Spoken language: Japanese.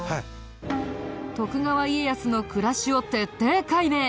徳川家康の暮らしを徹底解明。